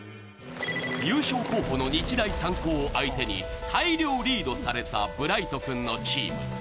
優勝候補の日大三高を相手に大量リードされたブライト君のチーム。